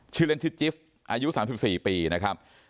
ชื่อเล่นชื่อจิฟต์อายุ๓๔ปีนะครับ